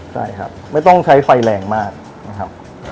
ใช่ครับไม่ต้องใช้ไฟแรงมากนะครับ